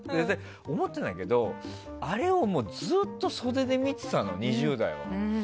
思ったんだけどあれをずっと袖で見ていたのね２０代は。